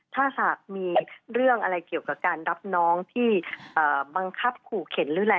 ถ้าหากมีเรื่องอะไรเกี่ยวกับการรับน้องที่บังคับขู่เข็นหรืออะไร